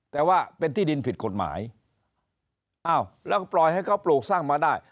แต่ว่าเป็นที่ดินผิดกฎหมายอ้าวแล้วก็ปล่อยให้เขาปลูกสร้างมาได้